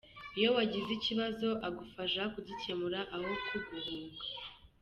Iyo wagize ikibazo agufasha kugikemura aho kuguhunga.